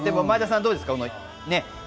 前田さん、どうですか？